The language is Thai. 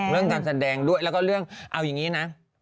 เรื่องการแสดงด้วยแล้วก็เรื่องเอาอย่างนี้นะ